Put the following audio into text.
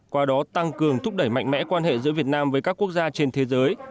qua đó tăng cường thúc đẩy mạnh mẽ quan hệ giữa việt nam với các quốc gia trên thế giới